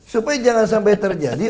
supaya jangan sampai terjadi